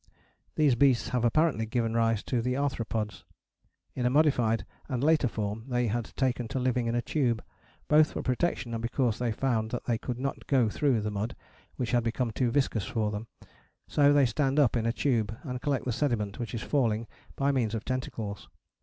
These beasts have apparently given rise to the Arthropods. In a modified and later form they had taken to living in a tube, both for protection and because they found that they could not go through the mud, which had become too viscous for them. So they stand up in a tube and collect the sediment which is falling by means of tentacles.